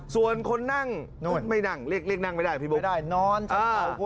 ส่วนคนนั่งไม่นั่งเรียกนั่งไม่ได้พี่บุ๊ค